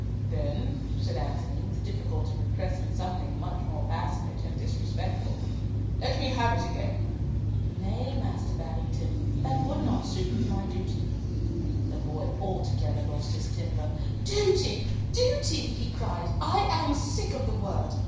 "Then," said Antony, with difficulty repressing something much more passionate and disrespectful, "let me have it again." "Nay, Master Babington, that would not suit with my duty." The boy altogether lost his temper. "Duty! duty!" he cried. "I am sick of the word.